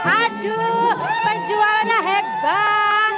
aduh penjualannya hebat